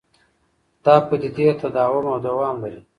دا پدیدې تداوم او دوام لري.